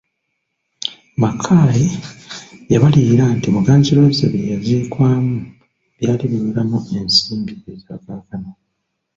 Mackay yabalirira nti Muganzirwazza bye yaziikwamu byali biweramu ensimbi eza kaakano.